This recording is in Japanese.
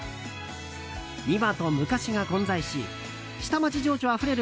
今と昔が混在し下町情緒あふれる